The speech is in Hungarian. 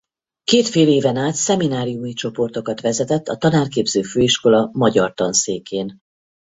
Két féléven át szemináriumi csoportokat vezetett a tanárképző főiskola magyar tanszékén.